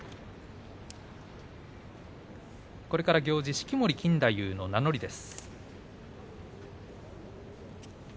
これから行司式守錦太夫の名乗りです。